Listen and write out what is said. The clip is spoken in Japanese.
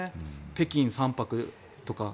北京３泊とか。